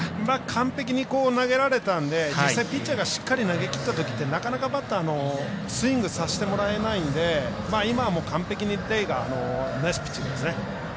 完璧に投げられたので実際ピッチャーがしっかり投げきったときってなかなかバッターもスイングさせてもらえないんで今、完璧にレイがナイスピッチングですね。